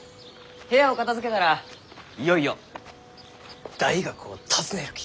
部屋を片づけたらいよいよ大学を訪ねるき。